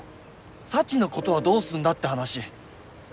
サチのことはどうすんだって話！